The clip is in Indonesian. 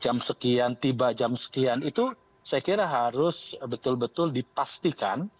jam sekian tiba jam sekian itu saya kira harus betul betul dipastikan